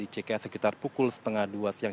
cks sekitar pukul setengah dua siang